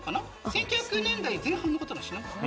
１９００年代前半の方なっしな。